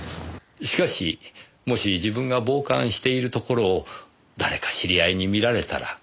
しかしもし自分が傍観しているところを誰か知り合いに見られたら。